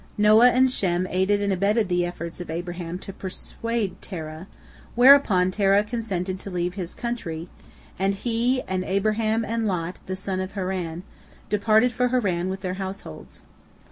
Noah and Shem aided and abetted the efforts of Abraham to persuade Terah, whereupon Terah consented to leave his country, and he, and Abraham, and Lot, the son of Haran, departed for Haran with their households.